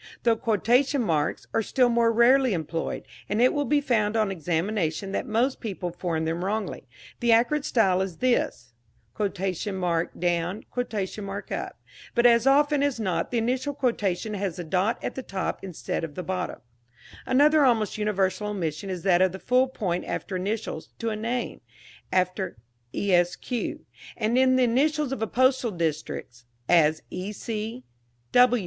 The quotation marks ("") are still more rarely employed, and it will be found on examination that most people form them wrongly. The accurate style is this, “ ”, but as often as not the initial quotation has the dot at the top instead of the bottom. Another almost universal omission is that of the full point after initials to a name, after "Esq.," and in the initials of postal districts, as E.